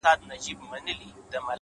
• ستا وه ځوانۍ ته دي لوگى سمه زه،